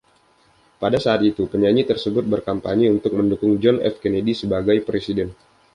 Pada saat itu, penyanyi tersebut berkampanye untuk mendukung John F. Kennedy sebagai presiden.